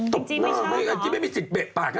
จบต้นจิไม่มีสิทธิ์เปะปากนะ